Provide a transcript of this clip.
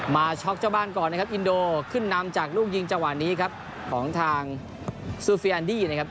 ช็อกเจ้าบ้านก่อนนะครับอินโดขึ้นนำจากลูกยิงจังหวะนี้ครับของทางซูเฟียแอนดี้นะครับ